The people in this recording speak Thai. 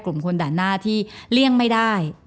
กลุ่มคนด่านหน้าที่เลี่ยงไม่ได้